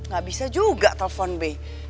gak bisa juga telepon b